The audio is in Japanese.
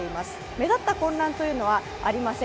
目立った混乱というのはありません。